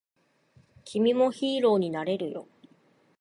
君もヒーローになれるよ